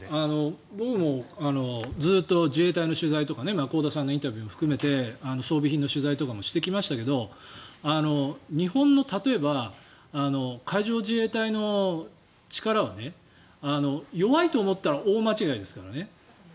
僕もずっと自衛隊の取材とか香田さんのインタビューも含めて装備品の取材とかもしてきましたが日本の例えば海上自衛隊の力は弱いと思ったら大間違いですからね。